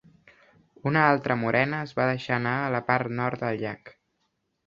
Una altra morena es va deixar anar a la part nord del llac.